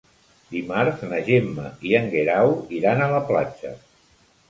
Dimarts na Gemma i en Guerau iran a la platja.